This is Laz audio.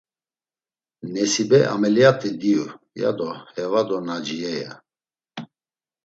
Nesibe ameliyat̆i diyu, ya do Heva do Naciye, ya…